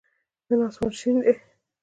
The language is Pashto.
نن آسمان شین دی.